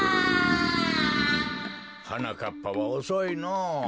はなかっぱはおそいのぉ。